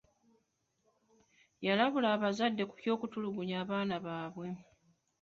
Yalabula abazadde ku ky'okutulugunya abaana baabwe.